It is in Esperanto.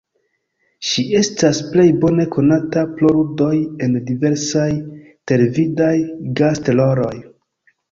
Ŝi estas plej bone konata pro ludoj en diversaj televidaj gast-roloj.